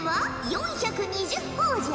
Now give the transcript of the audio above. ４２０ほぉじゃ。